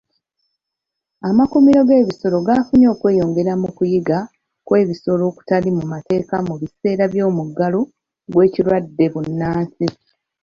Amakuumiro g'ebisolo gafunye okweyongera mu kuyigga kw'ebisolo okutali mu mateeka mu biseera by'omuggalo gw'ekirwadde bbunansi.